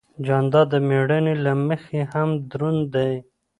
جانداد د مېړانې له مخې هم دروند دی.